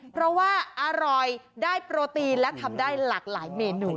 เพราะว่าอร่อยได้โปรตีนและทำได้หลากหลายเมนู